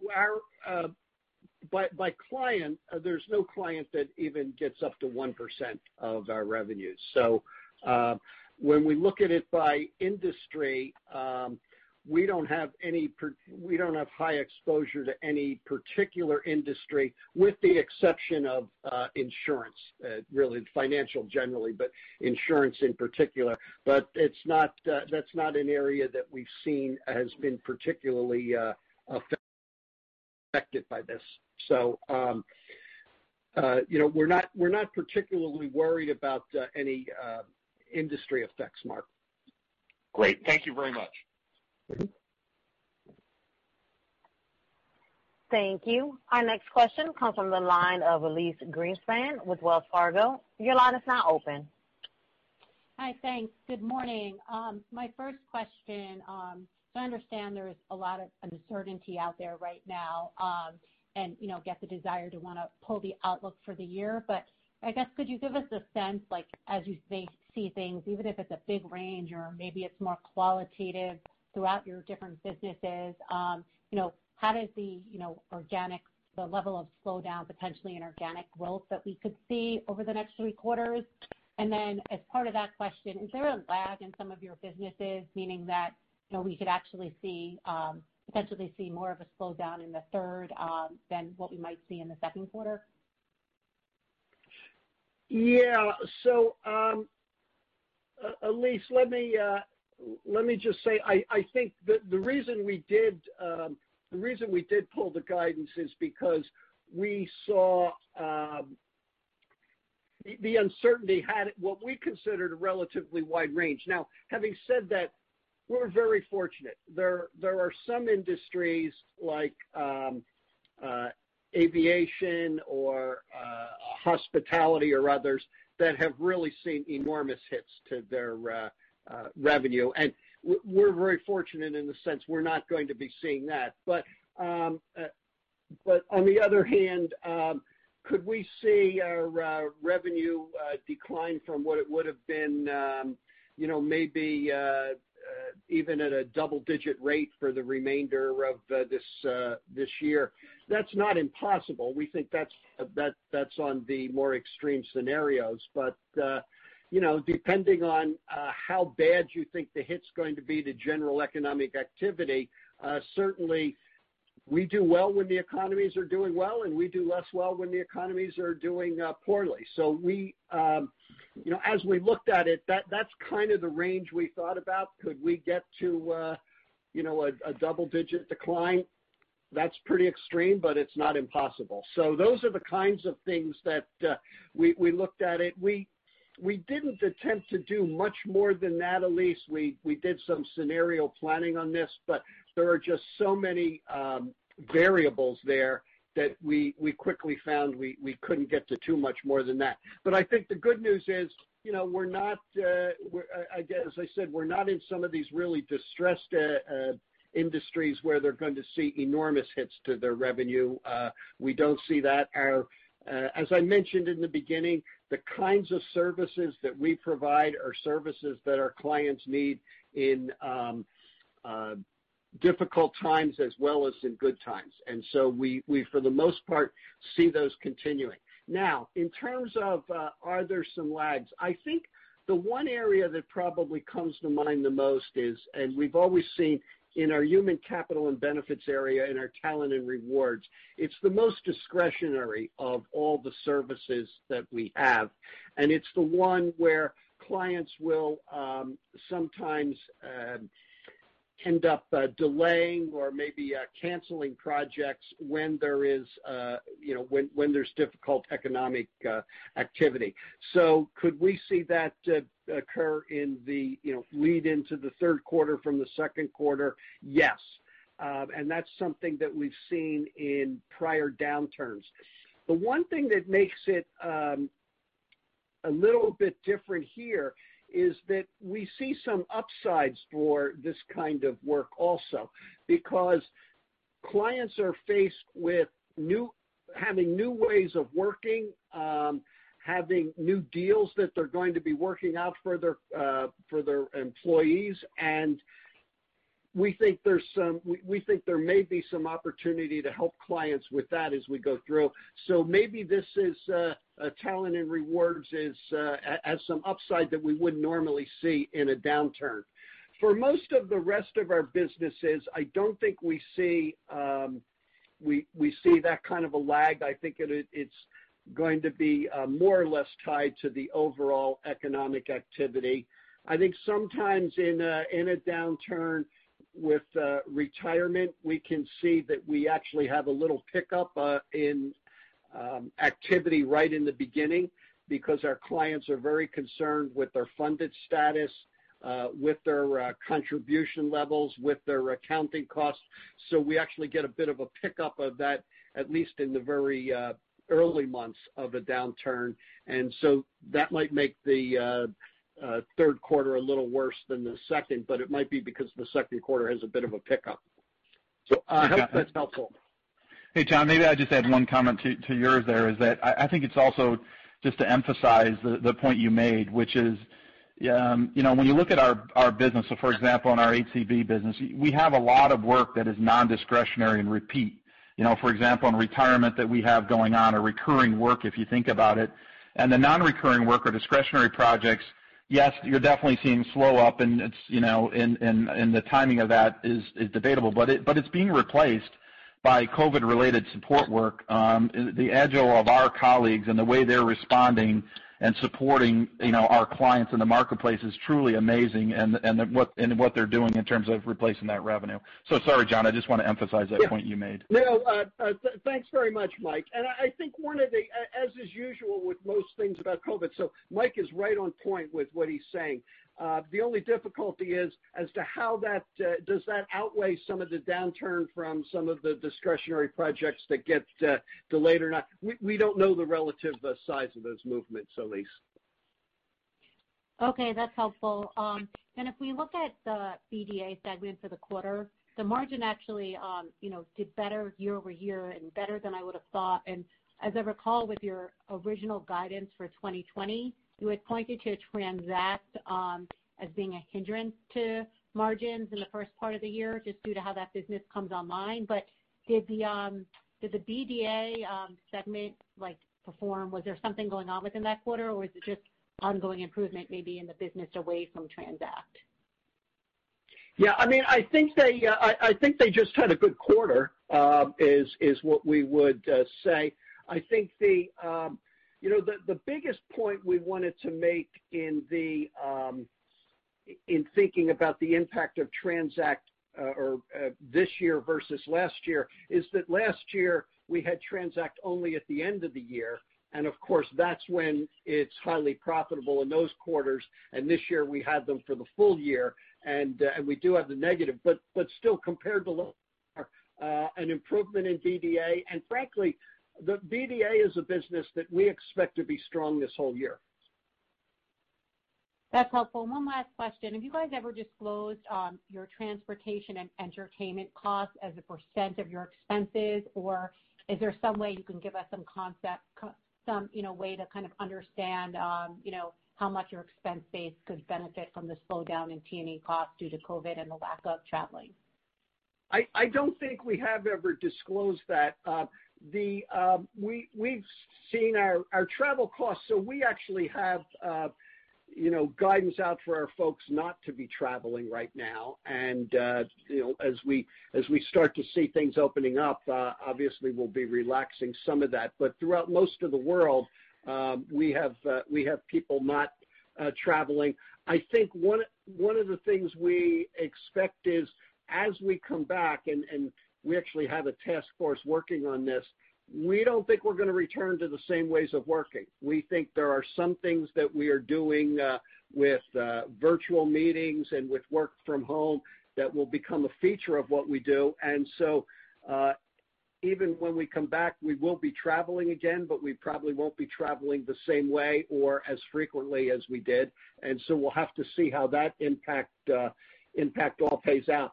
By client, there's no client that even gets up to 1% of our revenue. When we look at it by industry, we don't have high exposure to any particular industry, with the exception of insurance, really financial generally, but insurance in particular. That's not an area that we've seen has been particularly affected by this. We're not particularly worried about any industry effects, Mark. Great. Thank you very much. Thank you. Our next question comes from the line of Elyse Greenspan with Wells Fargo. Your line is now open. Hi. Thanks. Good morning. My first question, I understand there is a lot of uncertainty out there right now, and I get the desire to want to pull the outlook for the year. I guess could you give us a sense like as you see things, even if it's a big range or maybe it's more qualitative throughout your different businesses, how does the level of slowdown potentially in organic growth that we could see over the next three quarters? And then as part of that question, is there a lag in some of your businesses, meaning that we could potentially see more of a slowdown in the third than what we might see in the second quarter? Yeah. Elyse, let me just say, I think the reason we did pull the guidance is because we saw the uncertainty had what we considered a relatively wide range. Now, having said that, we're very fortunate. There are some industries like aviation or hospitality or others that have really seen enormous hits to their revenue, and we're very fortunate in the sense we're not going to be seeing that. On the other hand, could we see our revenue decline from what it would've been maybe even at a double-digit rate for the remainder of this year? That's not impossible. We think that's on the more extreme scenarios. Depending on how bad you think the hit's going to be to general economic activity, certainly we do well when the economies are doing well, and we do less well when the economies are doing poorly. As we looked at it, that's kind of the range we thought about. Could we get to a double-digit decline? That's pretty extreme, but it's not impossible. Those are the kinds of things that we looked at it. We didn't attempt to do much more than that, Elyse. We did some scenario planning on this, but there are just so many variables there that we quickly found we couldn't get to too much more than that. I think the good news is, as I said, we're not in some of these really distressed industries where they're going to see enormous hits to their revenue. We don't see that. As I mentioned in the beginning, the kinds of services that we provide are services that our clients need in difficult times as well as in good times. We for the most part see those continuing. In terms of are there some lags, I think the one area that probably comes to mind the most is, we've always seen in our Human Capital & Benefits area, in our Talent & Rewards, it's the most discretionary of all the services that we have, and it's the one where clients will sometimes- End up delaying or maybe canceling projects when there's difficult economic activity. Could we see that occur in the lead into the third quarter from the second quarter? Yes. That's something that we've seen in prior downturns. The one thing that makes it a little bit different here is that we see some upsides for this kind of work also, because clients are faced with having new ways of working, having new deals that they're going to be working out for their employees, and we think there may be some opportunity to help clients with that as we go through. Maybe this is Talent & Rewards has some upside that we wouldn't normally see in a downturn. For most of the rest of our businesses, I don't think we see that kind of a lag. I think it's going to be more or less tied to the overall economic activity. I think sometimes in a downturn with retirement, we can see that we actually have a little pickup in activity right in the beginning because our clients are very concerned with their funded status, with their contribution levels, with their accounting costs. We actually get a bit of a pickup of that, at least in the very early months of a downturn, that might make the third quarter a little worse than the second, but it might be because the second quarter has a bit of a pickup. I hope that's helpful. Hey, John, maybe I just add one comment to yours there, is that I think it's also just to emphasize the point you made, which is when you look at our business, so for example, in our HCB business, we have a lot of work that is nondiscretionary and repeat. For example, in retirement that we have going on are recurring work, if you think about it. The non-recurring work or discretionary projects, yes, you're definitely seeing slow up, and the timing of that is debatable. It's being replaced by COVID-related support work. The agile of our colleagues and the way they're responding and supporting our clients in the marketplace is truly amazing and what they're doing in terms of replacing that revenue. Sorry, John, I just want to emphasize that point you made. No, thanks very much, Mike. I think as is usual with most things about COVID, Mike is right on point with what he's saying. The only difficulty is as to how that does that outweigh some of the downturn from some of the discretionary projects that get delayed or not. We don't know the relative size of those movements, Elyse. Okay, that's helpful. If we look at the BDA segment for the quarter, the margin actually did better year-over-year and better than I would have thought. As I recall, with your original guidance for 2020, you had pointed to TRANZACT as being a hindrance to margins in the first part of the year, just due to how that business comes online. Did the BDA segment perform? Was there something going on within that quarter, or was it just ongoing improvement, maybe in the business away from TRANZACT? Yeah, I think they just had a good quarter, is what we would say. I think the biggest point we wanted to make in thinking about the impact of TRANZACT or this year versus last year is that last year we had TRANZACT only at the end of the year, and of course, that's when it's highly profitable in those quarters. This year we had them for the full year, and we do have the negative, but still, compared to last year, an improvement in BDA, and frankly, BDA is a business that we expect to be strong this whole year. That's helpful. One last question. Have you guys ever disclosed your transportation and entertainment costs as a % of your expenses, or is there some way you can give us some concept, some way to kind of understand how much your expense base could benefit from the slowdown in T&E costs due to COVID-19 and the lack of traveling? I don't think we have ever disclosed that. We've seen our travel costs. We actually have guidance out for our folks not to be traveling right now. As we start to see things opening up, obviously we'll be relaxing some of that. Throughout most of the world, we have people not traveling. I think one of the things we expect is as we come back, and we actually have a task force working on this, we don't think we're going to return to the same ways of working. We think there are some things that we are doing with virtual meetings and with work from home that will become a feature of what we do. Even when we come back, we will be traveling again, but we probably won't be traveling the same way or as frequently as we did. We'll have to see how that impact all plays out.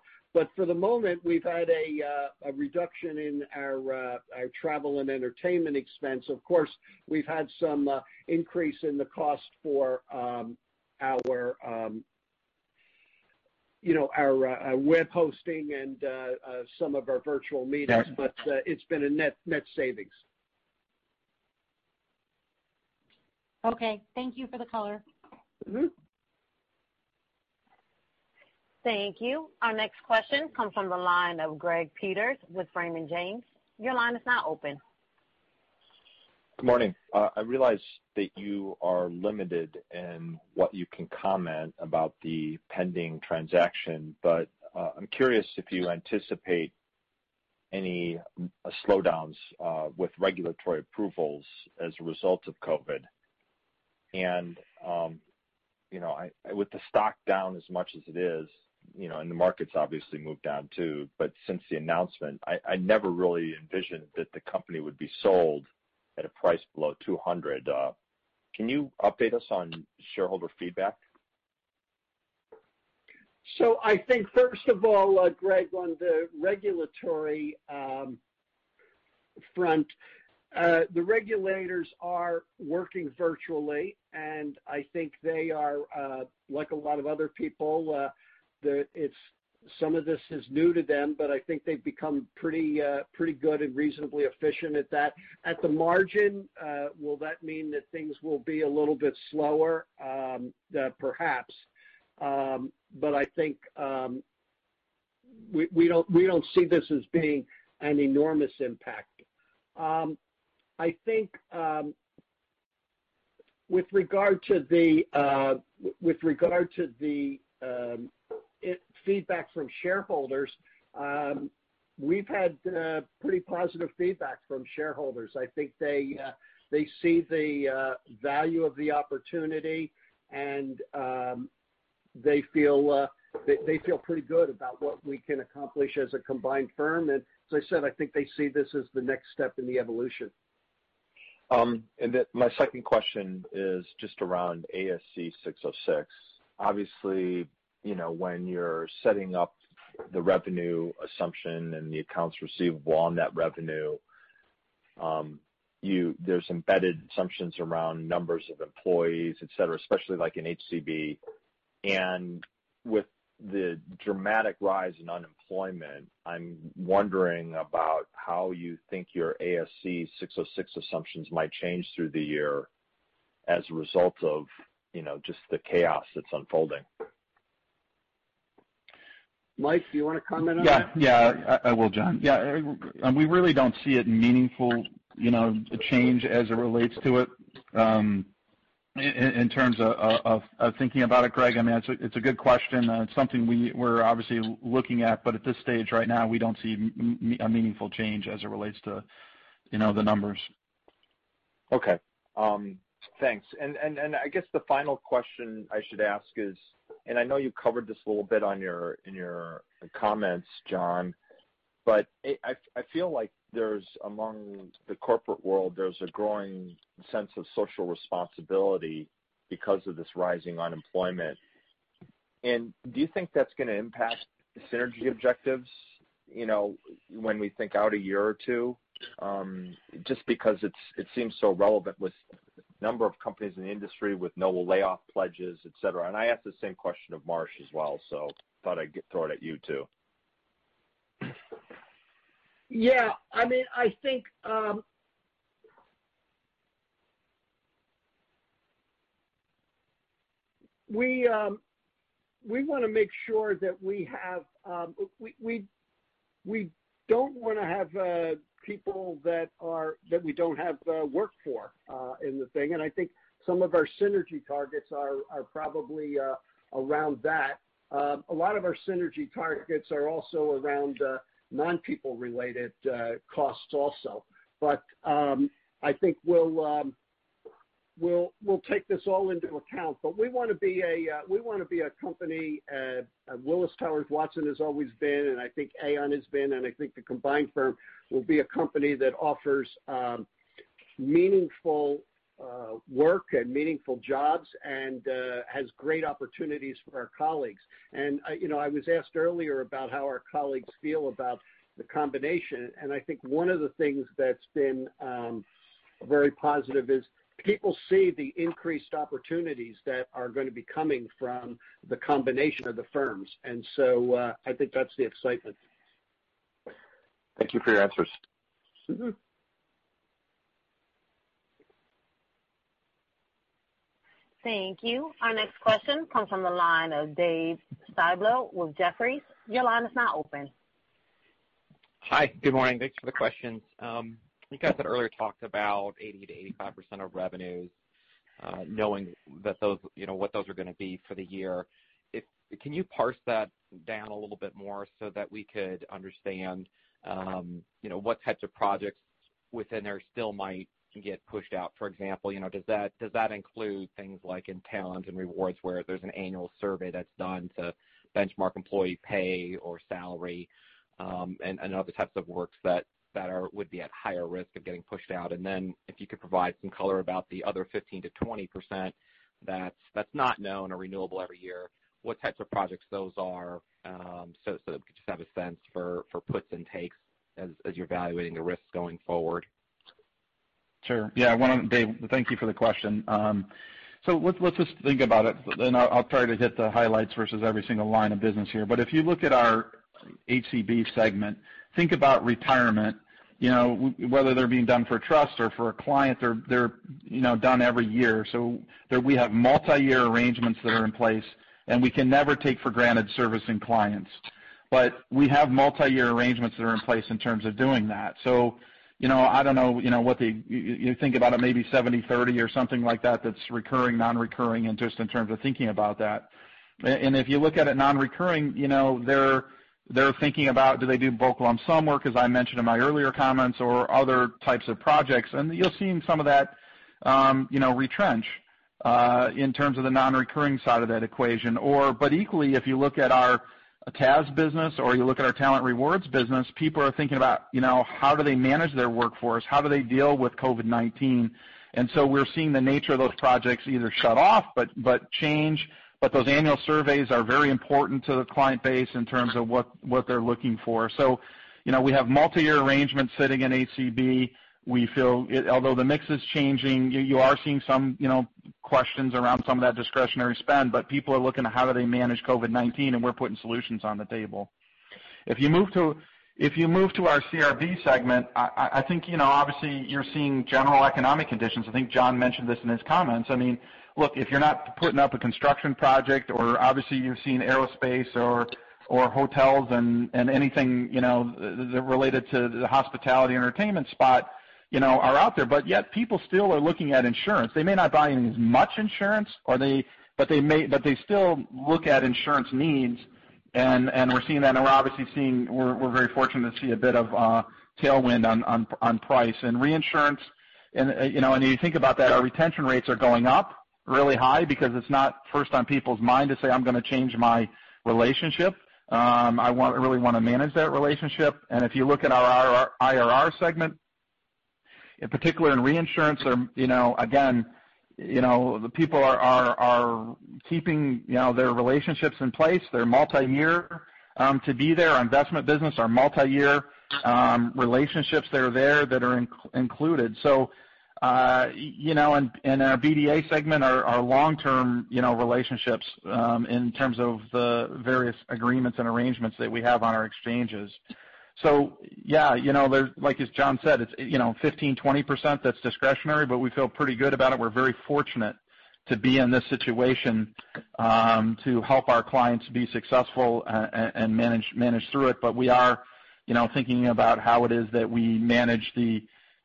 For the moment, we've had a reduction in our travel and entertainment expense. Of course, we've had some increase in the cost for our web hosting and some of our virtual meetings. Yeah It's been a net savings. Okay. Thank you for the color. Thank you. Our next question comes from the line of Greg Peters with Raymond James. Your line is now open. Good morning. I realize that you are limited in what you can comment about the pending transaction, but I'm curious if you anticipate any slowdowns with regulatory approvals as a result of COVID. With the stock down as much as it is, and the market's obviously moved down too, but since the announcement, I never really envisioned that the company would be sold at a price below $200. Can you update us on shareholder feedback? I think first of all, Greg, on the regulatory front, the regulators are working virtually, and I think they are like a lot of other people, some of this is new to them, but I think they've become pretty good and reasonably efficient at that. At the margin, will that mean that things will be a little bit slower? Perhaps. I think, we don't see this as being an enormous impact. I think with regard to the feedback from shareholders, we've had pretty positive feedback from shareholders. I think they see the value of the opportunity and they feel pretty good about what we can accomplish as a combined firm. As I said, I think they see this as the next step in the evolution. My second question is just around ASC 606. Obviously, when you're setting up the revenue assumption and the accounts receivable on that revenue, there's embedded assumptions around numbers of employees, etcetera, especially like in HCB. With the dramatic rise in unemployment, I'm wondering about how you think your ASC 606 assumptions might change through the year as a result of just the chaos that's unfolding. Mike, do you want to comment on that? Yeah. I will, John. Yeah. We really don't see it meaningful change as it relates to it, in terms of thinking about it, Greg. It's a good question. It's something we're obviously looking at, but at this stage right now, we don't see a meaningful change as it relates to the numbers. Okay. Thanks. I guess the final question I should ask is, and I know you covered this a little bit in your comments, John, but I feel like among the corporate world, there's a growing sense of social responsibility because of this rising unemployment. Do you think that's going to impact the synergy objectives when we think out a year or two? Just because it seems so relevant with the number of companies in the industry with no layoff pledges, etcetera. I asked the same question of Marsh as well, so thought I'd throw it at you, too. Yeah. We want to make sure that we don't want to have people that we don't have work for in the thing. I think some of our synergy targets are probably around that. A lot of our synergy targets are also around non-people related costs also. I think we'll take this all into account. We want to be a company, Willis Towers Watson has always been, and I think Aon has been, and I think the combined firm will be a company that offers meaningful work and meaningful jobs and has great opportunities for our colleagues. I was asked earlier about how our colleagues feel about the combination, and I think one of the things that's been very positive is people see the increased opportunities that are going to be coming from the combination of the firms. I think that's the excitement. Thank you for your answers. Thank you. Our next question comes from the line of David Schiavone with Jefferies. Your line is now open. Hi. Good morning. Thanks for the questions. You guys had earlier talked about 80%-85% of revenues, knowing what those are going to be for the year. Can you parse that down a little bit more so that we could understand what types of projects within there still might get pushed out? For example, does that include things like in Talent & Rewards, where there's an annual survey that's done to benchmark employee pay or salary, and other types of works that would be at higher risk of getting pushed out? If you could provide some color about the other 15%-20% that's not known or renewable every year, what types of projects those are, so just to have a sense for puts and takes as you're evaluating the risks going forward. Sure. Yeah. Dave, thank you for the question. Let's just think about it, then I'll try to hit the highlights versus every single line of business here. If you look at our HCB segment. Think about retirement, whether they're being done for a trust or for a client, they're done every year. We have multi-year arrangements that are in place, and we can never take for granted servicing clients. We have multi-year arrangements that are in place in terms of doing that. I don't know, you think about it, maybe 70/30 or something like that's recurring, non-recurring, and just in terms of thinking about that. If you look at it non-recurring, they're thinking about do they do bulk lump sum work, as I mentioned in my earlier comments, or other types of projects. You're seeing some of that retrench in terms of the non-recurring side of that equation. Equally, if you look at our TAS business or you look at our Talent & Rewards business, people are thinking about how do they manage their workforce? How do they deal with COVID-19? We're seeing the nature of those projects either shut off, but change. Those annual surveys are very important to the client base in terms of what they're looking for. We have multi-year arrangements sitting in HCB. Although the mix is changing, you are seeing some questions around some of that discretionary spend, people are looking at how do they manage COVID-19, and we're putting solutions on the table. If you move to our CRB segment, I think obviously you're seeing general economic conditions. I think John mentioned this in his comments. Look, if you're not putting up a construction project or obviously you're seeing aerospace or hotels and anything related to the hospitality entertainment spot are out there, yet people still are looking at insurance. They may not buy as much insurance, but they still look at insurance needs, and we're seeing that. We're very fortunate to see a bit of tailwind on price. In reinsurance, when you think about that, our retention rates are going up really high because it's not first on people's mind to say, I'm going to change my relationship. I really want to manage that relationship. If you look at our IRR segment, in particular in reinsurance, again, the people are keeping their relationships in place. They're multi-year to be there. Our investment business are multi-year relationships that are there that are included. In our BDA segment, our long-term relationships in terms of the various agreements and arrangements that we have on our exchanges. Yeah, like as John said, it's 15%-20% that's discretionary, we feel pretty good about it. We're very fortunate to be in this situation to help our clients be successful and manage through it. We are thinking about how it is that we manage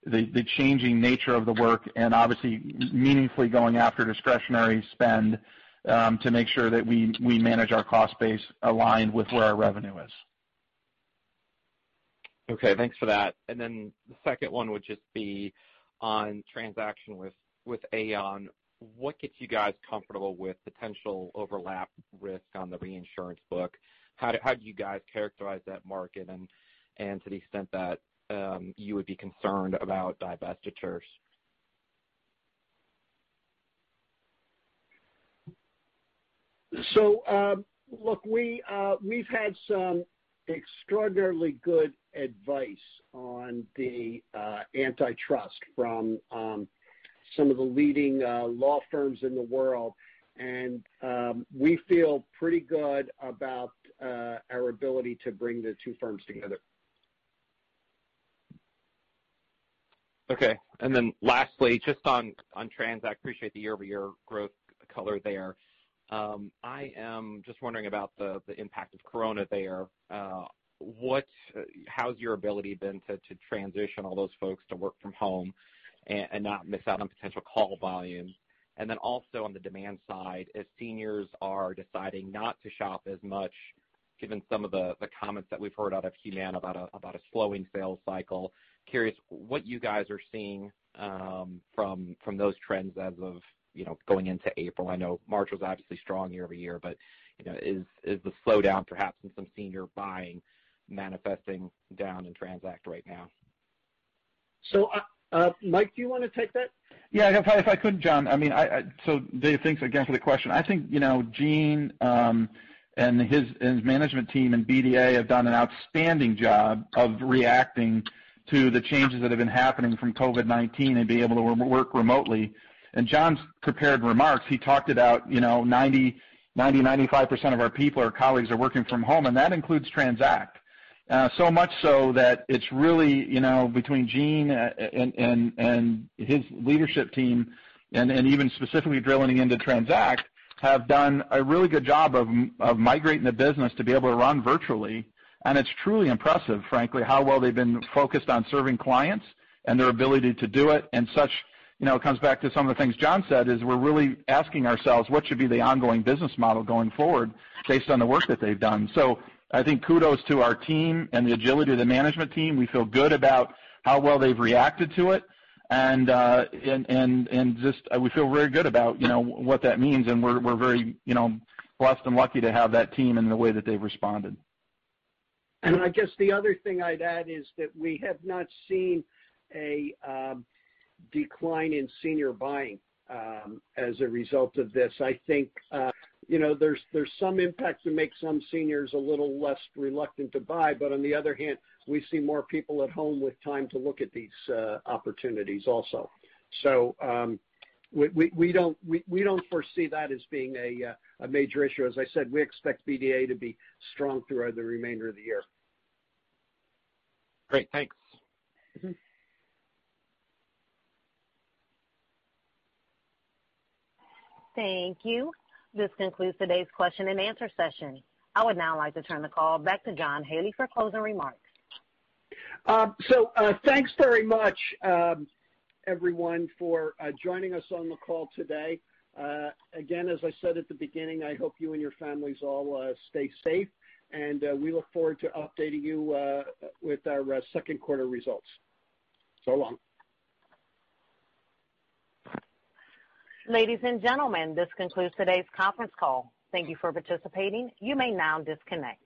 the changing nature of the work and obviously meaningfully going after discretionary spend to make sure that we manage our cost base aligned with where our revenue is. Okay, thanks for that. The second one would just be on transaction with Aon. What gets you guys comfortable with potential overlap risk on the reinsurance book? How do you guys characterize that market and to the extent that you would be concerned about divestitures? Look, we've had some extraordinarily good advice on the antitrust from some of the leading law firms in the world, and we feel pretty good about our ability to bring the two firms together. Okay. Lastly, just on TRANZACT, appreciate the year-over-year growth color there. I am just wondering about the impact of COVID-19 there. How has your ability been to transition all those folks to work from home and not miss out on potential call volumes? Also on the demand side, as seniors are deciding not to shop as much, given some of the comments that we've heard out of Humana about a slowing sales cycle, curious what you guys are seeing from those trends as of going into April. I know March was obviously strong year-over-year, is the slowdown perhaps in some senior buying manifesting down in TRANZACT right now? Mike, do you want to take that? Yeah, if I could, John. Dave, thanks again for the question. I think Gene and his management team in BDA have done an outstanding job of reacting to the changes that have been happening from COVID-19 and being able to work remotely. In John's prepared remarks, he talked about 90%, 95% of our people, our colleagues are working from home, and that includes TRANZACT. Much so that it's really between Gene and his leadership team, and even specifically drilling into TRANZACT, have done a really good job of migrating the business to be able to run virtually. It's truly impressive, frankly, how well they've been focused on serving clients and their ability to do it. Such comes back to some of the things John said, is we're really asking ourselves what should be the ongoing business model going forward based on the work that they've done. I think kudos to our team and the agility of the management team. We feel good about how well they've reacted to it, and we feel very good about what that means, and we're very blessed and lucky to have that team and the way that they've responded. I guess the other thing I'd add is that we have not seen a decline in senior buying as a result of this. I think there's some impact to make some seniors a little less reluctant to buy. On the other hand, we see more people at home with time to look at these opportunities also. We don't foresee that as being a major issue. As I said, we expect BDA to be strong throughout the remainder of the year. Great. Thanks. Thank you. This concludes today's question and answer session. I would now like to turn the call back to John Haley for closing remarks. Thanks very much everyone for joining us on the call today. Again, as I said at the beginning, I hope you and your families all stay safe, and we look forward to updating you with our second quarter results. So long. Ladies and gentlemen, this concludes today's conference call. Thank you for participating. You may now disconnect.